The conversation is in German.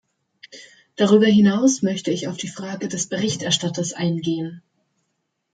Darüber hinaus möchte ich auf die Frage des Berichterstatters eingehen.